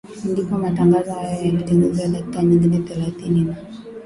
ndipo matangazo hayo yaliongezewa dakika nyingine thelathini na